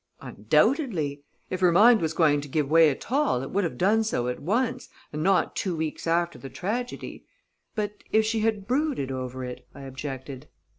"Undoubtedly. If her mind was going to give way at all, it would have done so at once, and not two weeks after the tragedy." "But if she had brooded over it," I objected.